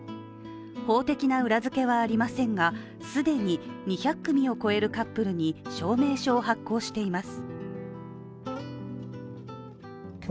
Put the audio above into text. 法的な裏付けはありませんが既に２００組を超えるカップルに証明書を発行しています。